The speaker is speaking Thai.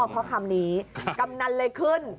เพราะคำนี้กำนันเลยขึ้น